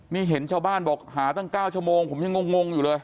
นี่เห็นชาวบ้านบอกหาตั้ง๙ชั่วโมงผมยังงงอยู่เลย